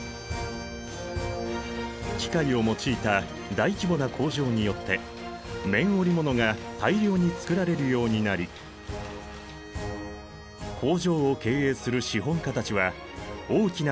機械を用いた大規模な工場によって綿織物が大量に作られるようになり工場を経営する資本家たちは大きな収益をあげた。